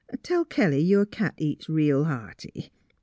Tell Kelly your cat eats reel hearty.